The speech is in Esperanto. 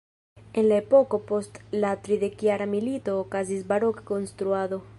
En la epoko post la tridekjara milito okazis baroka konstruado.